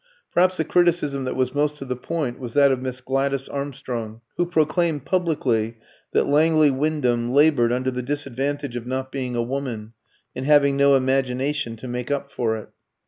Perhaps the criticism that was most to the point was that of Miss Gladys Armstrong, who proclaimed publicly that Langley Wyndham laboured under the disadvantage of not being a woman, and having no imagination to make up for it.